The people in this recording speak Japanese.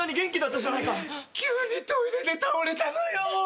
急にトイレで倒れたのよ。